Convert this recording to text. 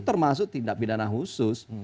termasuk tindak pidana khusus